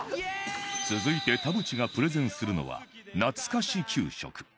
続いて田渕がプレゼンするのはなつかし給食